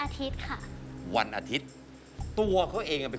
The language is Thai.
คุณฟังผมแป๊บนึงนะครับ